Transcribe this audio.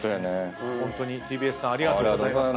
ホントにＴＢＳさんありがとうございます。